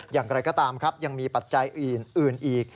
อย่างไรก็ตามครับยังมีปัจจัยอื่นอีก